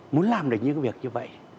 muốn làm được những việc như vậy